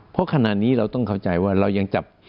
เพราะขณะนี้เราต้องเข้าใจว่าเรายังจับ